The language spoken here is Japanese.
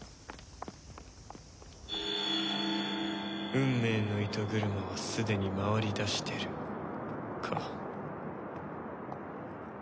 「運命の糸車はすでに回りだしている」か。